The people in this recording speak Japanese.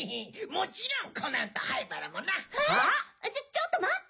ちょっと待って！